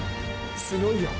「すごいよ」